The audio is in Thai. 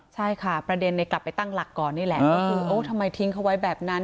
ใช่ค่ะประเด็นกลับไปตั้งหลักก่อนนี่แหละก็คือโอ้ทำไมทิ้งเขาไว้แบบนั้น